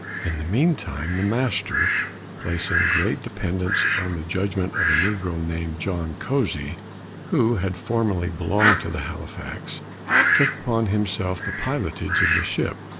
In the mean time the master, placing great dependance on the judgment of a negro, named John Cosey, who had formerly belonged to Halifax, took upon himself the pilotage of the ship.